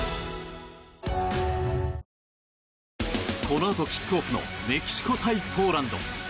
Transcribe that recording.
このあとキックオフのメキシコ対ポーランド。